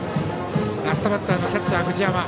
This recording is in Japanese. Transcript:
ラストバッター、キャッチャー藤山。